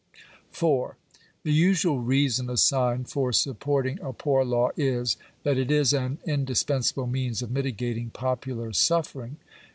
The usual reason assigned for supporting a poor law is, that it is an indispensable means of mitigating popular suffering.